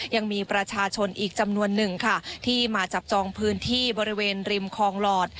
ยังมีประชาชนอีกจำนวนหนึ่งค่ะที่มาจับจองพื้นที่บริเวณริมคลองหลอด